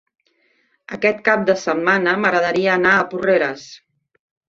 Aquest cap de setmana m'agradaria anar a Porreres.